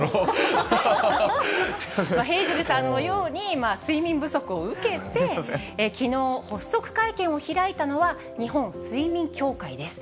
ヘイゼルさんのように、睡眠不足を受けて、きのう発足会見を開いたのは、日本睡眠協会です。